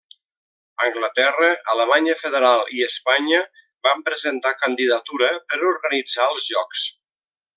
Anglaterra, Alemanya Federal i Espanya van presentar candidatura per organitzar els jocs.